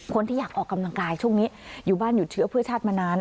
คนที่อยากออกกำลังกายช่วงนี้อยู่บ้านหยุดเชื้อเพื่อชาติมานาน